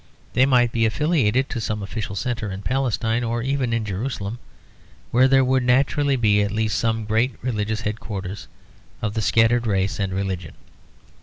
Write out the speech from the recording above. They might be affiliated to some official centre in Palestine, or even in Jerusalem, where there would naturally be at least some great religious headquarters of the scattered race and religion.